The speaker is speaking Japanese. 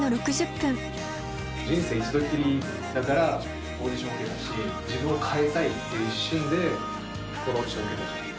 人生一度きりだからオーディション受けたし自分を変えたいっていう一心でこのオーディション受けたじゃん。